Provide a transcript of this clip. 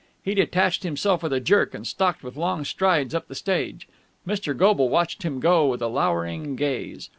He detached himself with a jerk, and stalked with long strides up the stage. Mr. Goble watched him go with a lowering gaze.